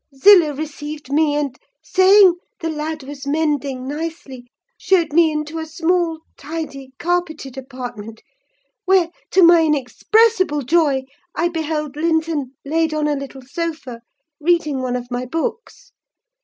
Zillah received me, and saying 'the lad was mending nicely,' showed me into a small, tidy, carpeted apartment, where, to my inexpressible joy, I beheld Linton laid on a little sofa, reading one of my books.